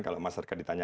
kalau masyarakat ditanya